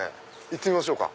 行ってみましょうか。